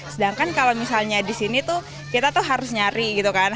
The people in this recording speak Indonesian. sedangkan kalau misalnya di sini tuh kita tuh harus nyari gitu kan